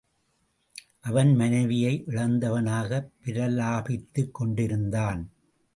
அவன் மனைவியை இழந்தவனாகப் பிரலாபித்துக் கொண்டிருந்தான்.